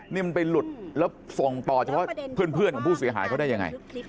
นี่มันไปหลุดแล้วส่งต่อเฉพาะเพื่อนของผู้เสียหายเขาได้ยังไง